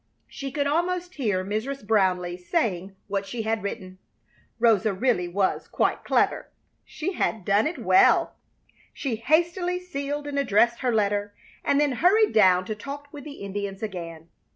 She could almost hear Mrs. Brownleigh saying what she had written. Rosa really was quite clever. She had done it well. She hastily sealed and addressed her letter, and then hurried down to talk with the Indians again.